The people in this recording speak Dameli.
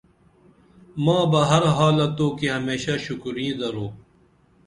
ماں بہ ہر حالہ توکی ہمیشہ شکریں درو